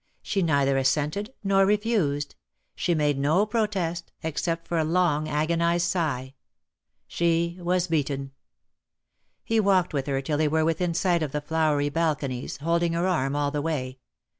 She neither assented nor refused. She made no protest, except for a long agonised sigh. She was beaten. He walked with her till they were within sight of the flowery balconies, holding her arm all the way.